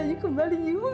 ayu kembali ayu